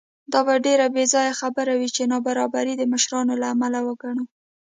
دا به ډېره بېځایه خبره وي چې نابرابري د مشرانو له امله وګڼو.